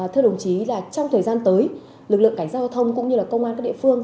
thưa đồng chí là trong thời gian tới lực lượng cảnh sát giao thông cũng như là công an các địa phương